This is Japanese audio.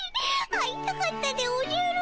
会いたかったでおじゃる！